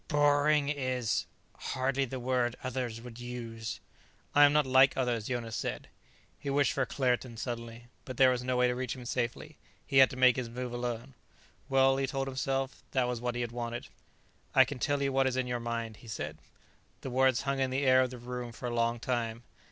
"Boring is hardly the word others would use." "I am not like others," Jonas said. He wished for Claerten suddenly, but there was no way to reach him safely. He had to make his move alone. Well, he told himself, that was what he had wanted. "I can tell you what is in your mind," he said. The words hung in the air of the room for a long time.